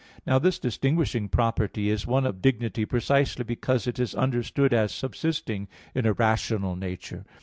Now, this distinguishing property is one of dignity precisely because it is understood as subsisting in a rational nature.